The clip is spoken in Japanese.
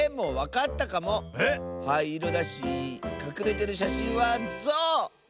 はいいろだしかくれてるしゃしんはゾウ！